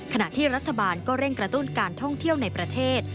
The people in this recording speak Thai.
ขณะที่รัฐบาลก็เร่งกระตุ้นการท่องเที่ยวในประเทศ